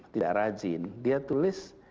tidak rajin dia tulis